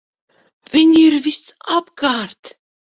Viņi ir visapkārt!